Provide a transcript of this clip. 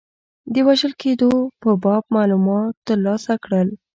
د وژل کېدلو په باب معلومات ترلاسه کړل.